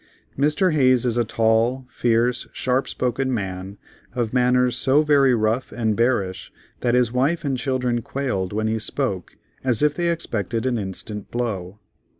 Mr. Hayes is a tall, fierce, sharp spoken man, of manners so very rough and bearish that his wife and children quailed when he spoke as if they expected an instant blow.